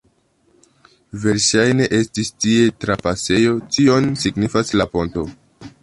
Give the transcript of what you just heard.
Verŝajne estis tie trapasejo, tion signifas la ponto.